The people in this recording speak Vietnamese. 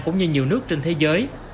cũng như nhiều nước trên thế giới